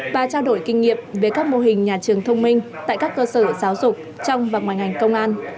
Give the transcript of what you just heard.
và trao đổi kinh nghiệm về các mô hình nhà trường thông minh tại các cơ sở giáo dục trong và ngoài ngành công an